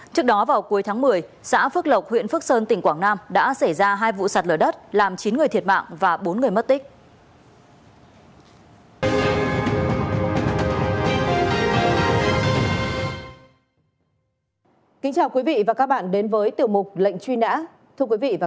trước đó vào cuối tháng một mươi xã phước lộc huyện phước sơn tỉnh quảng nam đã xảy ra hai vụ sạt lở đất làm chín người thiệt mạng và bốn người mất tích